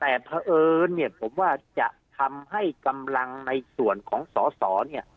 แต่เพราะเอิญเนี่ยผมว่าจะทำให้กำลังในส่วนของสอสอเนี่ย